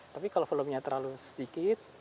tapi kalau volumenya terlalu sedikit